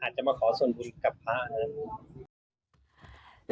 อาจจะมาขอส่วนบุญกับภาพ